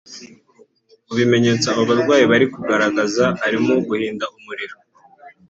Mu bimenyetso aba barwayi bari kugaragaza harimo guhinda umuriro